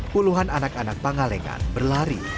puluhan anak anak pangalengan berlari